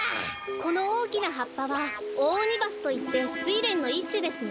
このおおきなはっぱはオオオニバスといってスイレンのいっしゅですね。